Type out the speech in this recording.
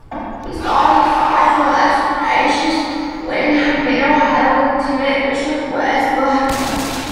He started five Rolex races, winning at Mid-Ohio with teammate Richard Westbrook.